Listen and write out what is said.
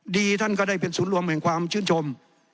ท่านก็ได้เป็นศูนย์รวมแห่งความชื่นชม